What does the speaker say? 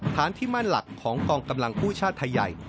ที่มั่นหลักของกองกำลังผู้ชาติไทยใหญ่